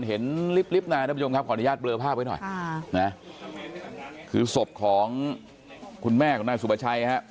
ลิฟต์นายท่านผู้ชมครับขออนุญาตเบลอภาพไว้หน่อยคือศพของคุณแม่ของนายสุภาชัยฮะ